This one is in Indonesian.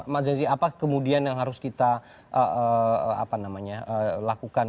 mas zazi apa kemudian yang harus kita lakukan